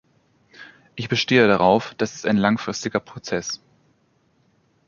Ich bestehe darauf, das ist ein langfristiger Prozess.